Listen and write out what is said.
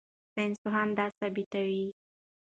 ساینسپوهان دا ثبتوي.